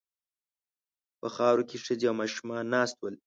په خاورو کې ښځې او ماشومان ناست ول.